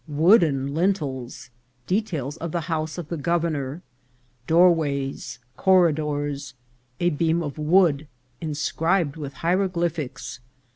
— Wooden Lintels —Details of the House of the Governor. — Doorways. — Corridors. — A Beam of Wood, in scribed with Hieroglyphics.